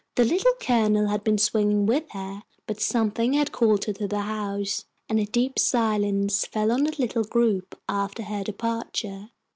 The Little Colonel had been swinging with her, but something had called her to the house, and a deep silence fell on the little group after her departure.